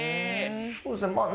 そうですねまあ。